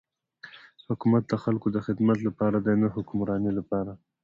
حکومت د خلکو د خدمت لپاره دی نه د حکمرانی لپاره.